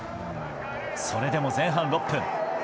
それでも前半６分。